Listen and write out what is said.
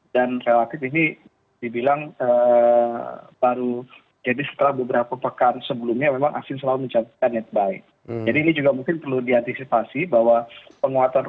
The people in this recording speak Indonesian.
dan relatif ini dibilang baru jadi setelah beberapa pekan sebelumnya memang asing selalu mencapai netbuy